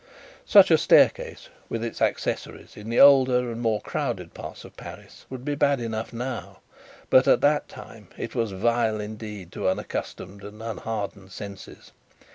Such a staircase, with its accessories, in the older and more crowded parts of Paris, would be bad enough now; but, at that time, it was vile indeed to unaccustomed and unhardened senses.